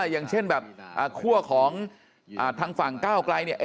อย่างเช่นแบบคั่วของทางฝั่งก้าวไกลเนี่ย